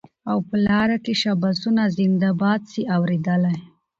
او په لار کي شاباسونه زنده باد سې اورېدلای